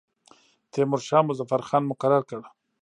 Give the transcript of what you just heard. تیمورشاه مظفر خان مقرر کړ.